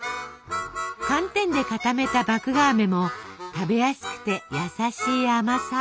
寒天で固めた麦芽あめも食べやすくて優しい甘さ。